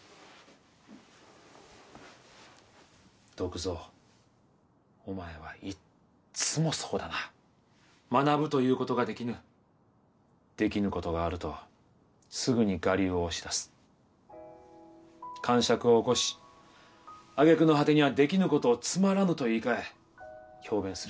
篤蔵お前はいっつもそうだな学ぶということができぬできぬことがあるとすぐに我流を押し出す癇癪を起こし揚げ句の果てにはできぬことをつまらぬと言いかえ強弁する